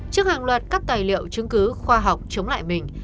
trước hàng loạt các tài liệu chứng cứ khoa học chống lại mình